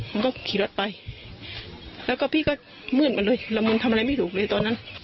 มันก็ขี่รถไปแล้วก็พี่ก็มืดมาเลยละมึงทำอะไรไม่ถูกเลยตอนนั้น